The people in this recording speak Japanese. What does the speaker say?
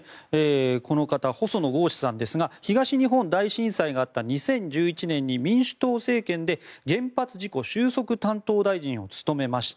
この方、細野豪志さんですが東日本大震災があった２０１１年に民主党政権で原発事故収束担当大臣を務めました。